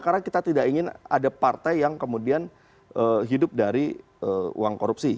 karena kita tidak ingin ada partai yang kemudian hidup dari uang korupsi